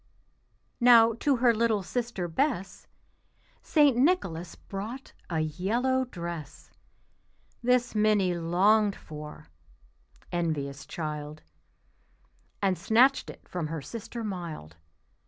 Now to her little sister Bess St. Nicholas brought a yellow dress; This Minnie longed for (envious child), And snatched it from her sister mild.